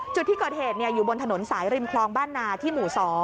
จุดที่เกิดเหตุอยู่บนถนนสายริมคลองบ้านนาที่หมู่๒